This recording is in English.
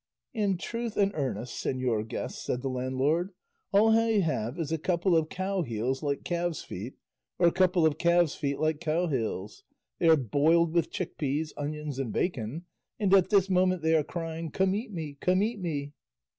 "In truth and earnest, señor guest," said the landlord, "all I have is a couple of cow heels like calves' feet, or a couple of calves' feet like cowheels; they are boiled with chick peas, onions, and bacon, and at this moment they are crying 'Come eat me, come eat me."